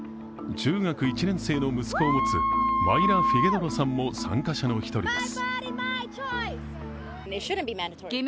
中学１年生の息子を持つマイラ・フィゲドロさんも参加者の一人です。